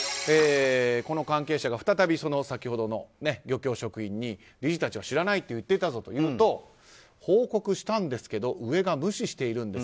この関係者が再び先ほどの漁協職員に理事たちは知らないって言っていたぞと言うと報告したんですけど上が無視しているんです。